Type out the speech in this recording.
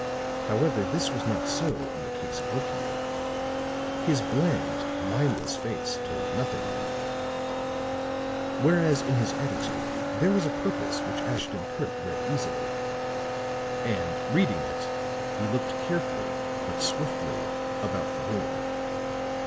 However, this was not so in the case of Okiu. His bland, lineless face told nothing; whereas in his attitude there was a purpose which Ashton Kirk read easily. And, reading it, he looked carefully but swiftly about the room.